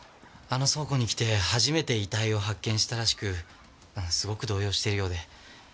あの倉庫に来て初めて遺体を発見したらしくすごく動揺しているようで。